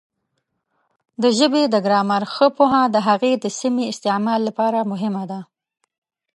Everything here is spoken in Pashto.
د ژبې د ګرامر ښه پوهه د هغې د سمې استعمال لپاره مهمه ده.